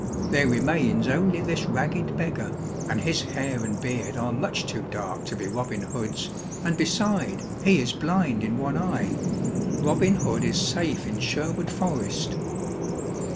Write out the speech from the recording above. There remains only this ragged beggar, and his hair and beard are much too dark to be Robin Hood's, and beside, he is blind in one eye. Robin Hood is safe in Sherwood Forest."